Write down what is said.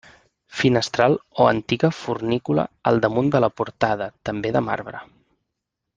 Finestral o antiga fornícula al damunt de la portada, també de marbre.